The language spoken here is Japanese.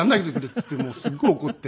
っつってすごい怒って。